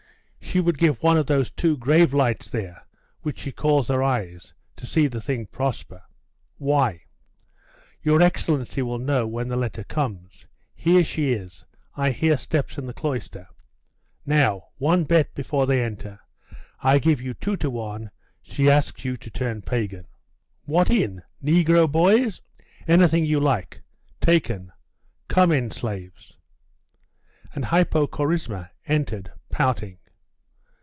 She would give one of those two grave lights there, which she calls her eyes, to see the thing prosper.' 'Why?' 'Your excellency will know when the letter comes. Here she is; I hear steps in the cloister. Now, one bet before they enter. I give you two to one she asks you to turn pagan.' 'What in? Negro boys?' 'Anything you like.' 'Taken. Come in, slaves?' And Hypocorisma entered, pouting.